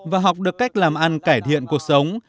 và học được cách làm ăn cải thiện cuộc sống